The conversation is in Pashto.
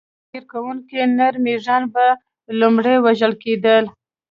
تېري کوونکي نر مږان به لومړی وژل کېدل.